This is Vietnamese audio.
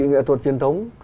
nghệ thuật truyền thống